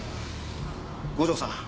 五条さん。